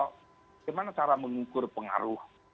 gimana cara mengukur pengaruh